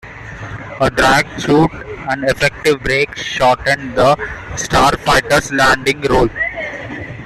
A drag chute and effective brakes shortened the Starfighter's landing roll.